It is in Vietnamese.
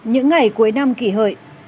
những ngày cuối năm kỷ hợi